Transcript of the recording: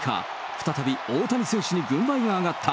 再び大谷選手に軍配が上がった。